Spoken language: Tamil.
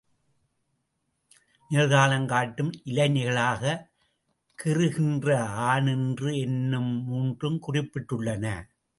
நிகழ்காலம் காட்டும் இடைநிலைகளாகக் கிறு கின்று ஆநின்று என்னும் மூன்றும் குறிப்பிடப்பட்டுள்ளன.